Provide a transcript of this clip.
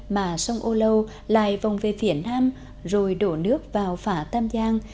mà sông âu lâu lại vòng về phía nam rồi đổ nước vào phả tam giang